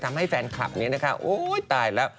ทำให้แฟนคลับนี้นะคะโอ๊ยตายแล้ว